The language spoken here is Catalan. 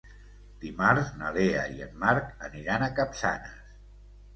Dimarts na Lea i en Marc aniran a Capçanes.